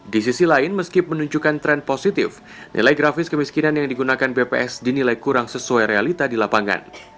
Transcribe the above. di sisi lain meski menunjukkan tren positif nilai grafis kemiskinan yang digunakan bps dinilai kurang sesuai realita di lapangan